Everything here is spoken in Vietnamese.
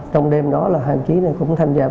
trong đêm đó là hai đồng chí này cũng tham gia